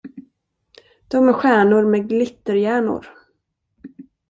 Dom är stjärnor med glitterhjärnor.